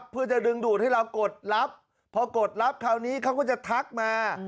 เพื่อจะดึงดูดให้เรากดลับพอกดลับคราวนี้เขาก็จะทักมา